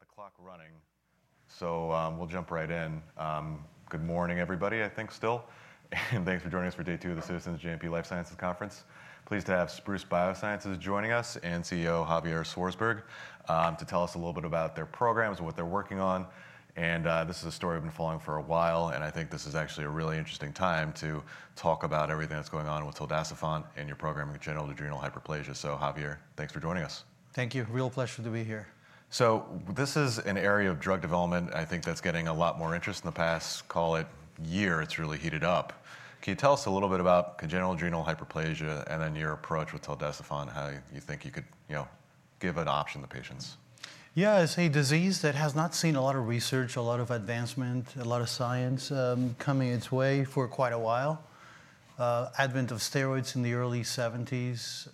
Got the clock running, so we'll jump right in. Good morning, everybody, I think, still. Thanks for joining us for day two of the Citizens JMP Life Sciences Conference. Pleased to have Spruce Biosciences joining us and CEO Javier Szwarcberg to tell us a little bit about their programs and what they're working on. This is a story we've been following for a while, and I think this is actually a really interesting time to talk about everything that's going on with tildacerfont and your program in congenital adrenal hyperplasia. So Javier, thanks for joining us. Thank you. Real pleasure to be here. So this is an area of drug development I think that's getting a lot more interest. In the past, call it a year, it's really heated up. Can you tell us a little bit about Congenital Adrenal Hyperplasia and then your approach with tildacerfont, how you think you could give an option to patients? Yeah. It's a disease that has not seen a lot of research, a lot of advancement, a lot of science coming its way for quite a while. Advent of steroids in the early 1970s,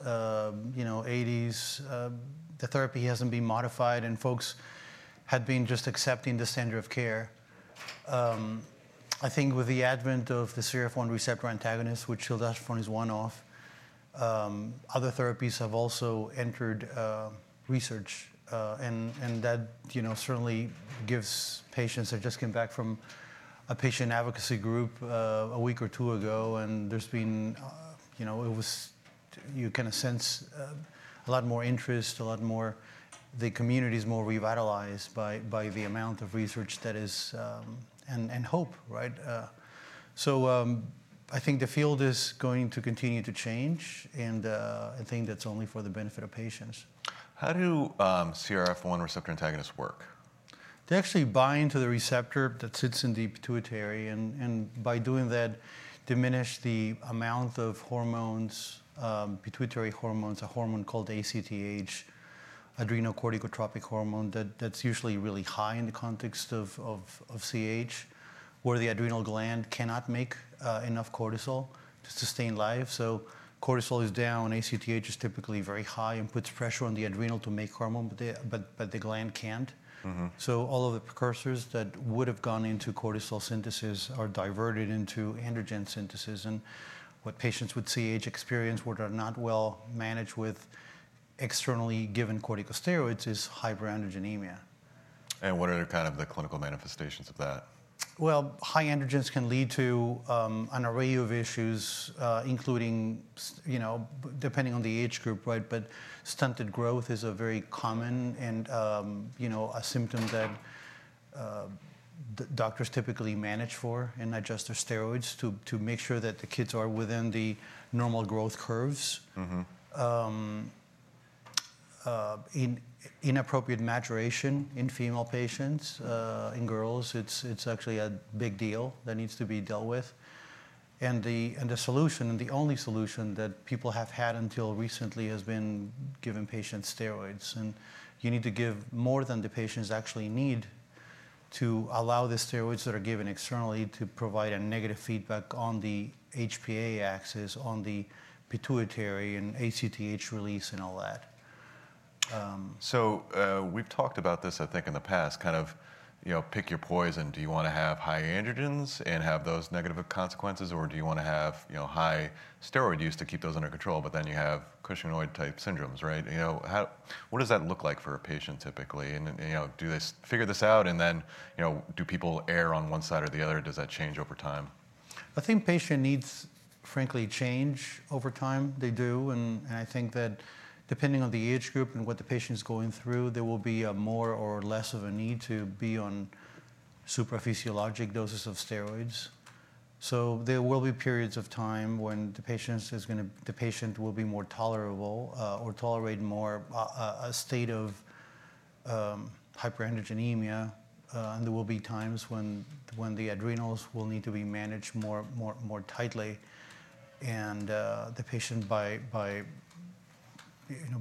1980s. The therapy hasn't been modified, and folks had been just accepting the standard of care. I think with the advent of the CRF1 receptor antagonist, which tildacerfont is one of, other therapies have also entered research. And that certainly gives patients that just came back from a patient advocacy group a week or two ago, and there's been you kind of sense a lot more interest, a lot more the community is more revitalized by the amount of research that is and hope. So I think the field is going to continue to change, and I think that's only for the benefit of patients. How do CRF1 receptor antagonists work? They actually bind to the receptor that sits in the pituitary, and by doing that, diminish the amount of hormones pituitary hormones, a hormone called ACTH, adrenocorticotropic hormone that's usually really high in the context of CAH, where the adrenal gland cannot make enough cortisol to sustain life. So cortisol is down, ACTH is typically very high, and puts pressure on the adrenal to make hormone, but the gland can't. So all of the precursors that would have gone into cortisol synthesis are diverted into androgen synthesis. And what patients with CAH experience that are not well managed with externally given corticosteroids is hyperandrogenemia. What are kind of the clinical manifestations of that? Well, high androgens can lead to an array of issues, including depending on the age group, but stunted growth is a very common and a symptom that doctors typically manage for in adjusted steroids to make sure that the kids are within the normal growth curves. Inappropriate maturation in female patients, in girls, it's actually a big deal that needs to be dealt with. The solution, and the only solution that people have had until recently, has been giving patients steroids. You need to give more than the patients actually need to allow the steroids that are given externally to provide a negative feedback on the HPA axis, on the pituitary, and ACTH release and all that. So we've talked about this, I think, in the past, kind of pick your poison. Do you want to have high androgens and have those negative consequences, or do you want to have high steroid use to keep those under control, but then you have Cushingoid-type syndromes? What does that look like for a patient, typically? Do they figure this out, and then do people err on one side or the other? Does that change over time? I think patient needs, frankly, change over time. They do. I think that depending on the age group and what the patient is going through, there will be more or less of a need to be on supraphysiologic doses of steroids. So there will be periods of time when the patient will be more tolerant or tolerate more a state of hyperandrogenemia. There will be times when the adrenals will need to be managed more tightly, and the patient,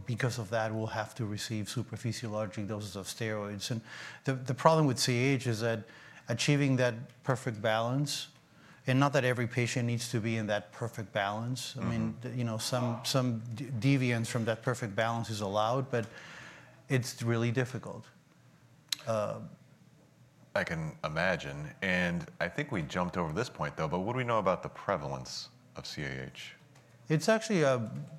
because of that, will have to receive supraphysiologic doses of steroids. The problem with CAH is that achieving that perfect balance and not that every patient needs to be in that perfect balance. I mean, some deviance from that perfect balance is allowed, but it's really difficult. I can imagine. And I think we jumped over this point, though. But what do we know about the prevalence of CAH? It's actually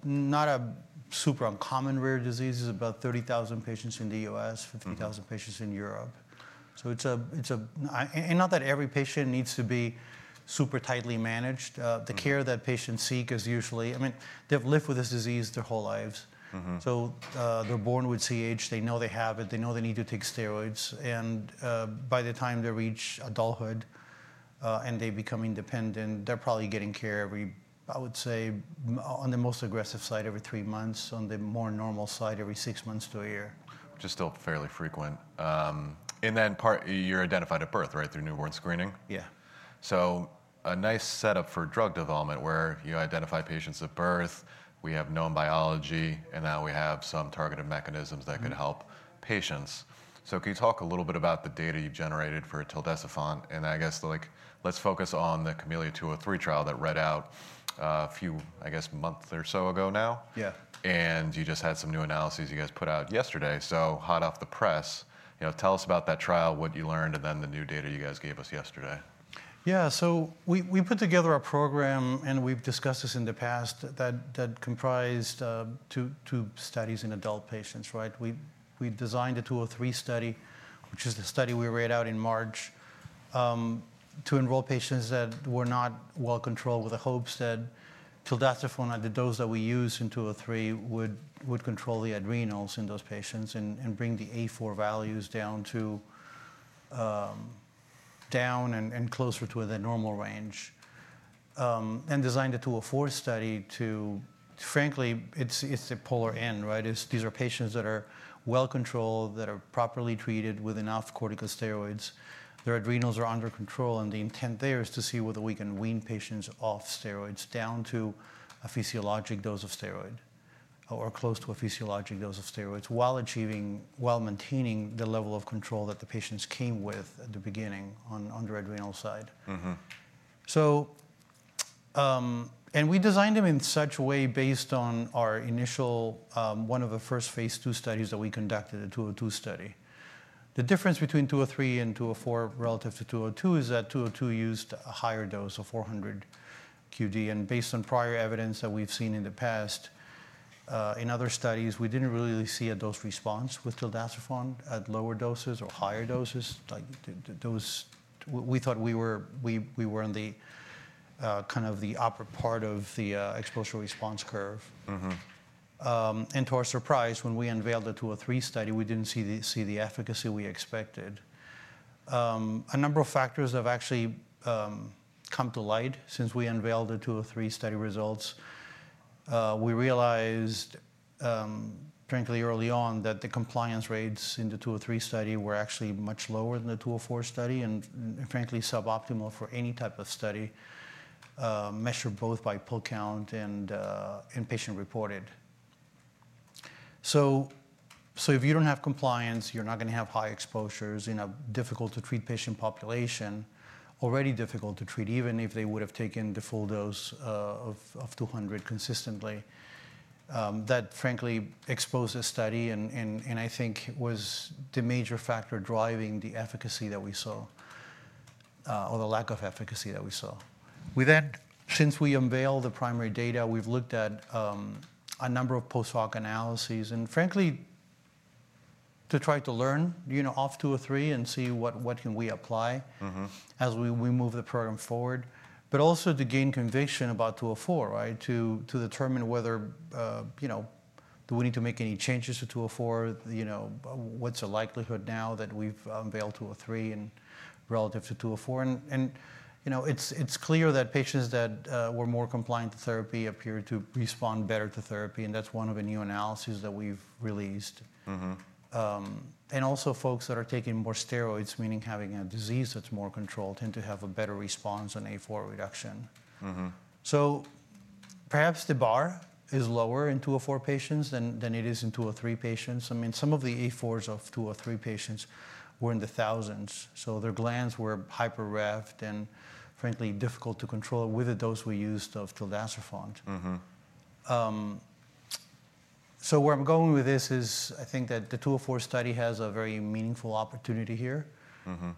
not a super uncommon, rare disease. It's about 30,000 patients in the U.S., 50,000 patients in Europe. Not that every patient needs to be super tightly managed. The care that patients seek is usually I mean, they've lived with this disease their whole lives. So they're born with CAH. They know they have it. They know they need to take steroids. And by the time they reach adulthood and they become independent, they're probably getting care every, I would say, on the most aggressive side, every three months. On the more normal side, every six months to a year. Which is still fairly frequent. Then you're identified at birth through newborn screening? Yeah. So a nice setup for drug development where you identify patients at birth. We have known biology, and now we have some targeted mechanisms that could help patients. So can you talk a little bit about the data you generated for tildacerfont? And I guess let's focus on the CAHmelia-203 trial that read out a few, I guess, months or so ago now. And you just had some new analyses you guys put out yesterday. So hot off the press, tell us about that trial, what you learned, and then the new data you guys gave us yesterday. Yeah. So we put together a program, and we've discussed this in the past, that comprised two studies in adult patients. We designed a 203 study, which is the study we read out in March, to enroll patients that were not well controlled with the hopes that tildacerfont at the dose that we used in 203 would control the adrenals in those patients and bring the A4 values down and closer to the normal range. Then designed a 204 study to frankly, it's a polar opposite. These are patients that are well controlled, that are properly treated with enough corticosteroids. Their adrenals are under control, and the intent there is to see whether we can wean patients off steroids down to a physiologic dose of steroid or close to a physiologic dose of steroids while achieving, while maintaining the level of control that the patients came with at the beginning on the adrenal side. We designed them in such a way based on our initial one of the first phase II studies that we conducted, a 202 study. The difference between 203 and 204 relative to 202 is that 202 used a higher dose of 400 q.d. Based on prior evidence that we've seen in the past, in other studies, we didn't really see a dose response with tildacerfont at lower doses or higher doses. We thought we were on kind of the upper part of the exposure response curve. To our surprise, when we unveiled the 203 study, we didn't see the efficacy we expected. A number of factors have actually come to light since we unveiled the 203 study results. We realized, frankly, early on that the compliance rates in the 203 study were actually much lower than the 204 study and, frankly, suboptimal for any type of study, measured both by pill count and patient reported. So if you don't have compliance, you're not going to have high exposures in a difficult-to-treat patient population, already difficult to treat even if they would have taken the full dose of 200 consistently. That, frankly, exposed this study, and I think was the major factor driving the efficacy that we saw or the lack of efficacy that we saw. We then, since we unveiled the primary data, we've looked at a number of post-hoc analyses and, frankly, to try to learn off 203 and see what can we apply as we move the program forward, but also to gain conviction about 204, to determine whether do we need to make any changes to 204, what's the likelihood now that we've unveiled 203 relative to 204. And it's clear that patients that were more compliant to therapy appear to respond better to therapy. And that's one of the new analyses that we've released. And also, folks that are taking more steroids, meaning having a disease that's more controlled, tend to have a better response on A4 reduction. So perhaps the bar is lower in 204 patients than it is in 203 patients. I mean, some of the A4s of 203 patients were in the thousands. So their glands were hyper-refractory and, frankly, difficult to control with the dose we used of tildacerfont. So where I'm going with this is I think that the 204 study has a very meaningful opportunity here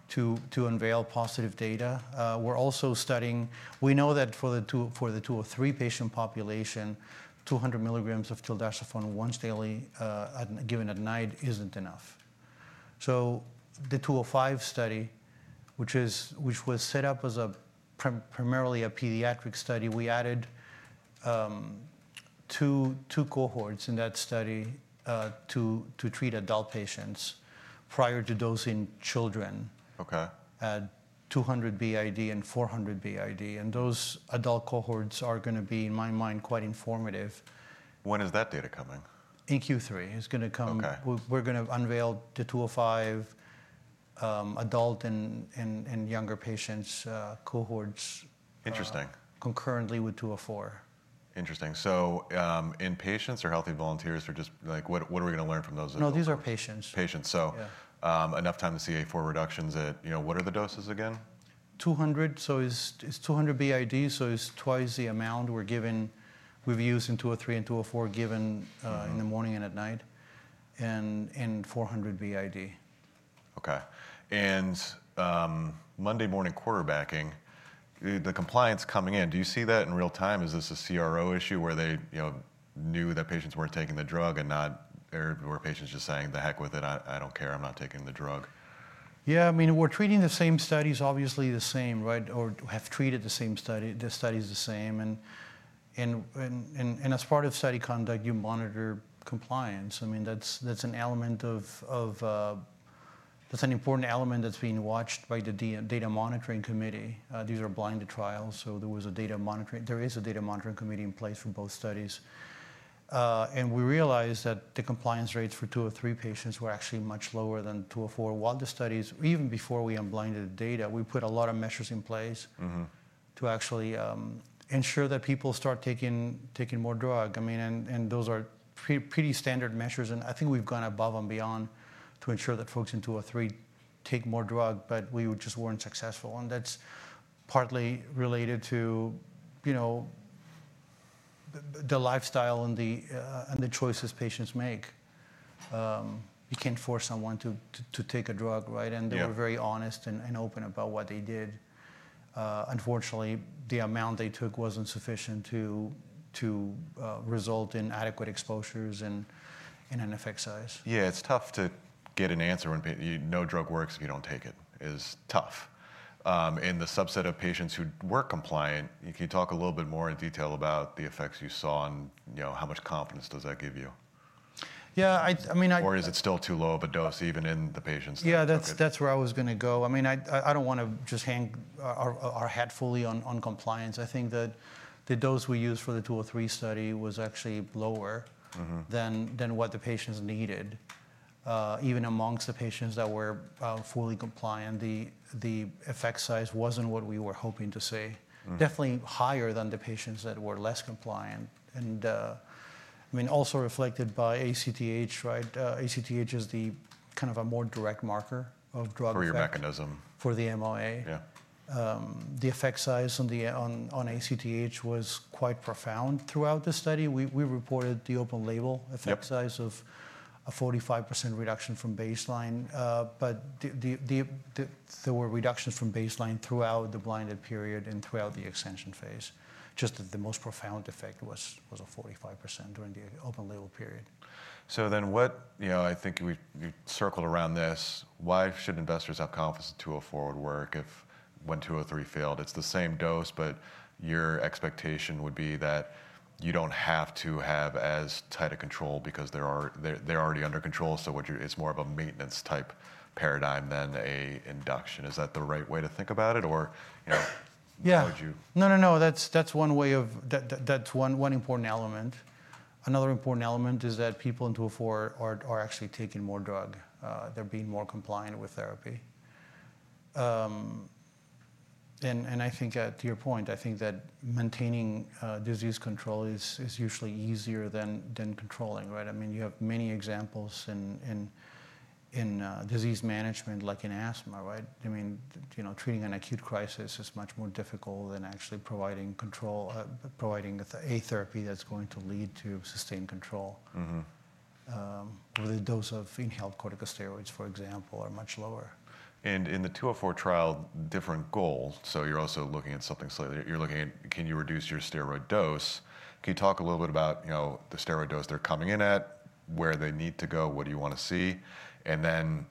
to unveil positive data. We're also studying. We know that for the 203 patient population, 200 milligrams of tildacerfont once daily given at night isn't enough. So the 205 study, which was set up as primarily a pediatric study, we added two cohorts in that study to treat adult patients prior to dosing children at 200 b.i.d. and 400 b.i.d. And those adult cohorts are going to be, in my mind, quite informative. When is that data coming? In Q3. It's going to come, we're going to unveil the 205 adult and younger patients cohorts concurrently with 204. Interesting. So in patients or healthy volunteers? What are we going to learn from those? No, these are patients. Patients. So enough time to see A4 reductions at what are the doses again? So it's 200 b.i.d. So it's twice the amount we're given we've used in 203 and 204 given in the morning and at night and 400 b.i.d. OK. Monday morning quarterbacking, the compliance coming in, do you see that in real time? Is this a CRO issue where they knew that patients weren't taking the drug and not where patients are just saying, "the heck with it. I don't care. I'm not taking the drug? Yeah. I mean, we're treating the same studies, obviously the same, or have treated the same study. The study is the same. And as part of study conduct, you monitor compliance. I mean, that's an element of that's an important element that's being watched by the data monitoring committee. These are blinded trials. So there was a data monitoring there is a data monitoring committee in place for both studies. And we realized that the compliance rates for 203 patients were actually much lower than 204. While the studies even before we unblinded the data, we put a lot of measures in place to actually ensure that people start taking more drug. I mean, and those are pretty standard measures. And I think we've gone above and beyond to ensure that folks in 203 take more drug, but we just weren't successful. That's partly related to the lifestyle and the choices patients make. You can't force someone to take a drug. They were very honest and open about what they did. Unfortunately, the amount they took wasn't sufficient to result in adequate exposures and an effect size. Yeah. It's tough to get an answer when no drug works if you don't take it. It's tough. In the subset of patients who were compliant, can you talk a little bit more in detail about the effects you saw and how much confidence does that give you? Yeah. I mean. Or is it still too low of a dose, even in the patients that were compliant? Yeah. That's where I was going to go. I mean, I don't want to just hang our hat fully on compliance. I think that the dose we used for the 203 study was actually lower than what the patients needed. Even amongst the patients that were fully compliant, the effect size wasn't what we were hoping to see, definitely higher than the patients that were less compliant. And I mean, also reflected by ACTH. ACTH is kind of a more direct marker of drug effects. For your mechanism. For the MOA. The effect size on ACTH was quite profound throughout the study. We reported the open label effect size of a 45% reduction from baseline. But there were reductions from baseline throughout the blinded period and throughout the extension phase. Just the most profound effect was a 45% during the open label period. So, then, what I think you circled around this. Why should investors have confidence that 204 would work when 203 failed? It's the same dose, but your expectation would be that you don't have to have as tight a control because they're already under control. So it's more of a maintenance-type paradigm than an induction. Is that the right way to think about it, or how would you? Yeah. No, no, no. That's one important element. Another important element is that people in 204 are actually taking more drug. They're being more compliant with therapy. And I think, to your point, I think that maintaining disease control is usually easier than controlling. I mean, you have many examples in disease management, like in asthma. I mean, treating an acute crisis is much more difficult than actually providing control, providing a therapy that's going to lead to sustained control. The dose of inhaled corticosteroids, for example, are much lower. In the 204 trial, different goal. So you're also looking at something slightly. You're looking at can you reduce your steroid dose? Can you talk a little bit about the steroid dose they're coming in at, where they need to go? What do you want to see? And then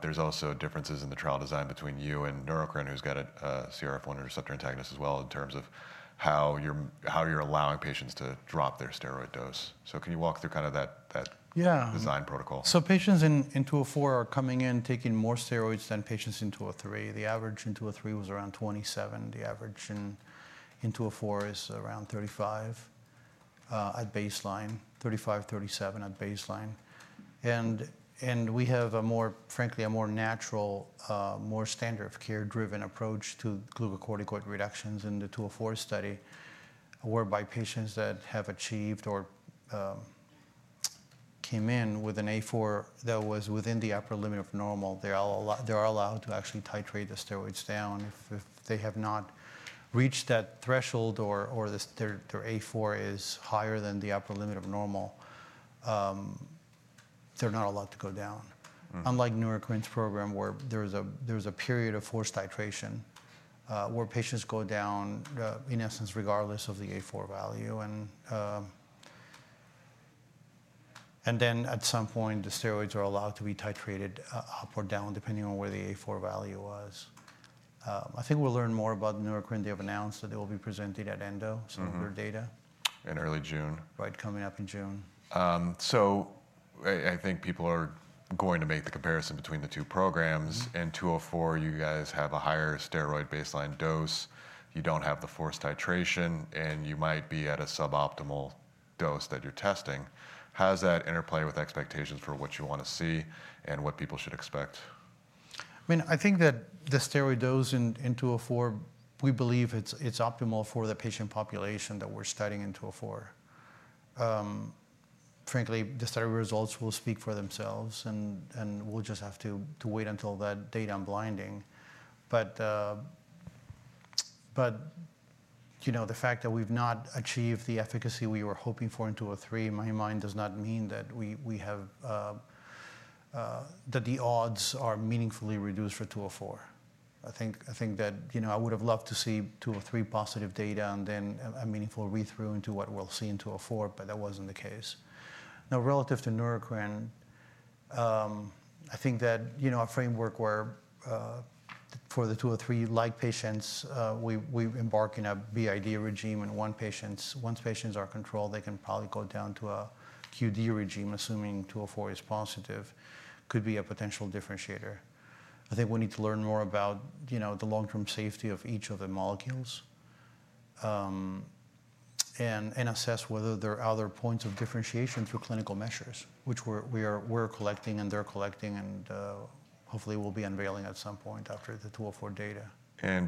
there's also differences in the trial design between you and Neurocrine, who's got a CRF1 receptor antagonist as well, in terms of how you're allowing patients to drop their steroid dose. So can you walk through kind of that design protocol? Yeah. So patients in 204 are coming in taking more steroids than patients in 203. The average in 203 was around 27. The average in 204 is around 35 at baseline, 35, 37 at baseline. And we have, frankly, a more natural, more standard of care-driven approach to glucocorticoid reductions in the 204 study, whereby patients that have achieved or came in with an A4 that was within the upper limit of normal, they are allowed to actually titrate the steroids down. If they have not reached that threshold or their A4 is higher than the upper limit of normal, they're not allowed to go down, unlike Neurocrine's program, where there's a period of forced titration where patients go down, in essence, regardless of the A4 value. And then, at some point, the steroids are allowed to be titrated up or down, depending on where the A4 value was. I think we'll learn more about Neurocrine. They have announced that it will be presented at ENDO, some of their data. In early June. Right, coming up in June. So I think people are going to make the comparison between the two programs. In 204, you guys have a higher steroid baseline dose. You don't have the forced titration, and you might be at a suboptimal dose that you're testing. How does that interplay with expectations for what you want to see and what people should expect? I mean, I think that the steroid dose in 204, we believe it's optimal for the patient population that we're studying in 204. Frankly, the study results will speak for themselves, and we'll just have to wait until that data unblinding. But the fact that we've not achieved the efficacy we were hoping for in 203, in my mind, does not mean that the odds are meaningfully reduced for 204. I think that I would have loved to see 203 positive data and then a meaningful read-through into what we'll see in 204, but that wasn't the case. Now, relative to Neurocrine, I think that a framework where for the 203-like patients, we embark in a b.i.d. regimen. And once patients are controlled, they can probably go down to a q.d. regimen, assuming 204 is positive, could be a potential differentiator. I think we need to learn more about the long-term safety of each of the molecules and assess whether there are other points of differentiation through clinical measures, which we're collecting and they're collecting and hopefully will be unveiling at some point after the 204 data.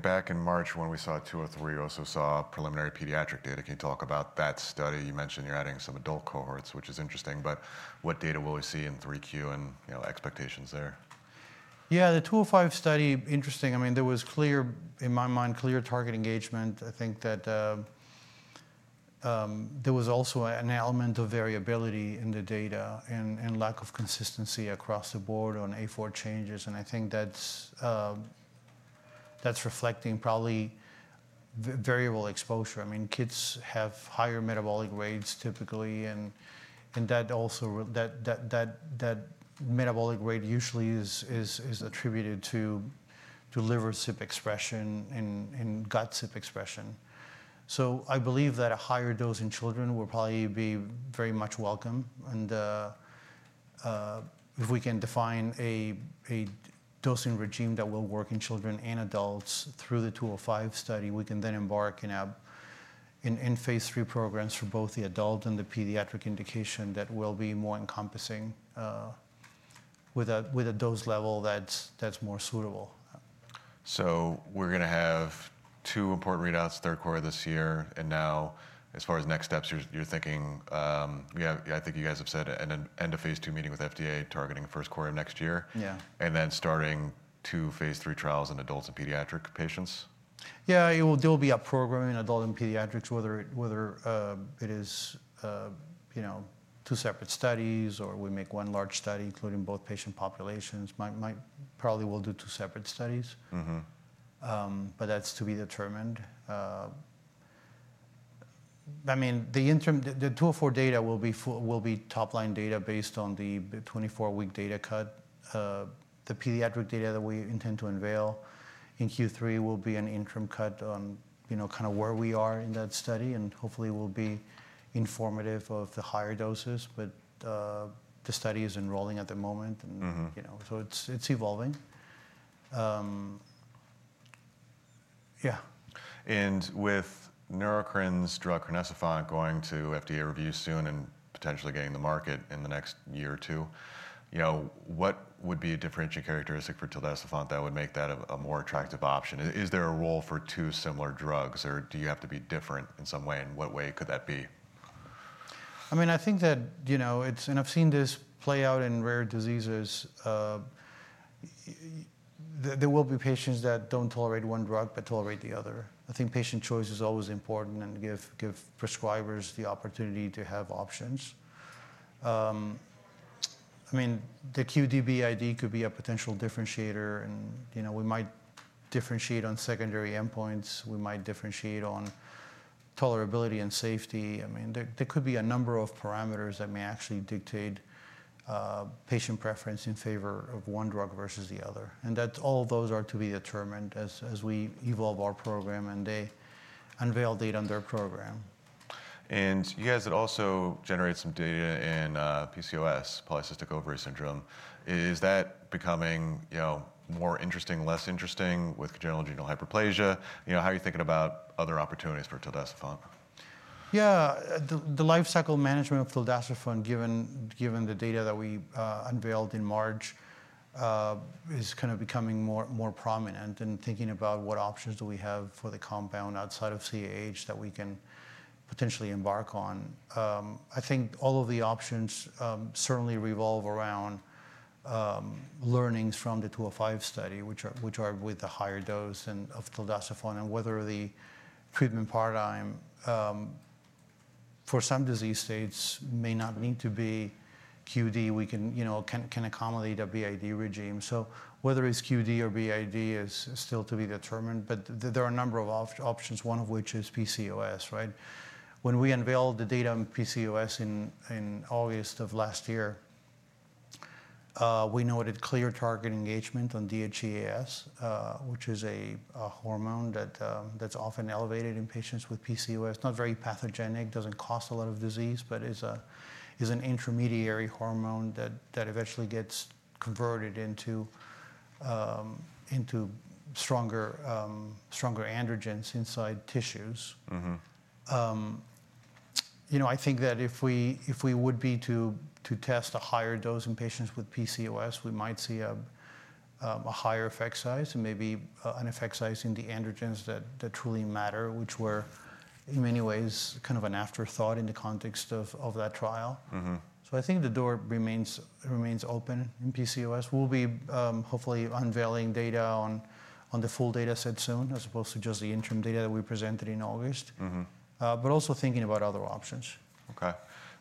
Back in March, when we saw 203, we also saw preliminary pediatric data. Can you talk about that study? You mentioned you're adding some adult cohorts, which is interesting. What data will we see in 3Q and expectations there? Yeah. The 205 study, interesting. I mean, there was, in my mind, clear target engagement. I think that there was also an element of variability in the data and lack of consistency across the board on A4 changes. And I think that's reflecting probably variable exposure. I mean, kids have higher metabolic rates, typically. And that metabolic rate usually is attributed to liver CYP expression and gut CYP expression. So I believe that a higher dose in children will probably be very much welcome. And if we can define a dosing regime that will work in children and adults through the 205 study, we can then embark in phase III programs for both the adult and the pediatric indication that will be more encompassing with a dose level that's more suitable. So we're going to have two important readouts third quarter this year. And now, as far as next steps, you're thinking I think you guys have said an end-of-phase II meeting with FDA targeting first quarter of next year, yeah, and then starting two phase III trials in adults and pediatric patients? Yeah. There will be a program in adult and pediatrics, whether it is two separate studies or we make one large study, including both patient populations. Probably we'll do two separate studies. But that's to be determined. I mean, the 204 data will be top-line data based on the 24-week data cut. The pediatric data that we intend to unveil in Q3 will be an interim cut on kind of where we are in that study. And hopefully, it will be informative of the higher doses. But the study is enrolling at the moment. So it's evolving. Yeah. With Neurocrine's drug, crinecerfont, going to FDA review soon and potentially getting the market in the next year or two, what would be a differentiating characteristic for tildacerfont that would make that a more attractive option? Is there a role for two similar drugs, or do you have to be different in some way? In what way could that be? I mean, I think that it's, and I've seen this play out in rare diseases. There will be patients that don't tolerate one drug but tolerate the other. I think patient choice is always important and give prescribers the opportunity to have options. I mean, the q.d./b.i.d. could be a potential differentiator. And we might differentiate on secondary endpoints. We might differentiate on tolerability and safety. I mean, there could be a number of parameters that may actually dictate patient preference in favor of one drug versus the other. And all of those are to be determined as we evolve our program and they unveil data on their program. You guys had also generated some data in PCOS, polycystic ovary syndrome. Is that becoming more interesting, less interesting with congenital adrenal hyperplasia? How are you thinking about other opportunities for tildacerfont? Yeah. The lifecycle management of tildacerfont, given the data that we unveiled in March, is kind of becoming more prominent. And thinking about what options do we have for the compound outside of CAH that we can potentially embark on, I think all of the options certainly revolve around learnings from the 205 study, which are with the higher dose of tildacerfont and whether the treatment paradigm for some disease states may not need to be q.d. We can accommodate a b.i.d. regimen. So whether it's q.d. or b.i.d. is still to be determined. But there are a number of options, one of which is PCOS. When we unveiled the data on PCOS in August of last year, we noted clear target engagement on DHEAS, which is a hormone that's often elevated in patients with PCOS, not very pathogenic, doesn't cause a lot of disease, but is an intermediary hormone that eventually gets converted into stronger androgens inside tissues. I think that if we would be to test a higher dose in patients with PCOS, we might see a higher effect size and maybe an effect size in the androgens that truly matter, which were, in many ways, kind of an afterthought in the context of that trial. So I think the door remains open in PCOS. We'll be, hopefully, unveiling data on the full data set soon, as opposed to just the interim data that we presented in August, but also thinking about other options. OK.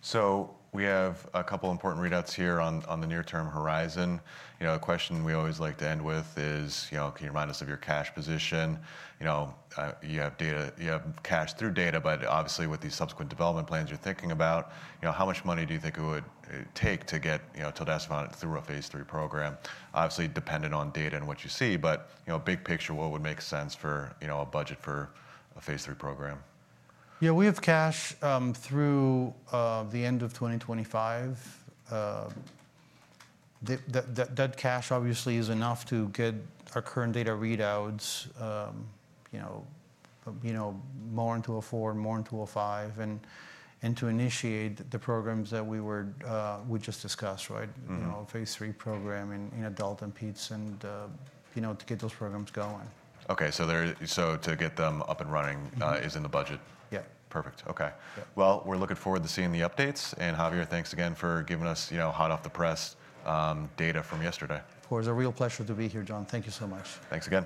So we have a couple of important readouts here on the near-term horizon. A question we always like to end with is, can you remind us of your cash position? You have cash through data. But obviously, with these subsequent development plans you're thinking about, how much money do you think it would take to get tildacerfont through a phase III program? Obviously, dependent on data and what you see. But big picture, what would make sense for a budget for a phase III program? Yeah. We have cash through the end of 2025. That cash, obviously, is enough to get our current data readouts more into a 4, more into a 5, and to initiate the programs that we just discussed, a phase III program in adult and peds, and to get those programs going. OK. So to get them up and running is in the budget? Yeah. Perfect. OK. Well, we're looking forward to seeing the updates. Javier, thanks again for giving us hot off the press data from yesterday. Of course. A real pleasure to be here, John. Thank you so much. Thanks, Javier.